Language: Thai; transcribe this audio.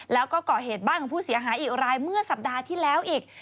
แล้วก็ก่อเหตุบ้านของผู้เสียหายอีกรายเมื่อสัปดาห์ที่แล้วอีก